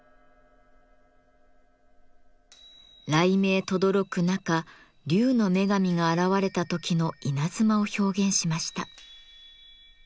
雷鳴とどろく中竜の女神が現れた時の稲妻を表現しました。